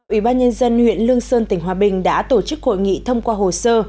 ủy ban nhân dân huyện lương sơn tỉnh hòa bình đã tổ chức hội nghị thông qua hồ sơ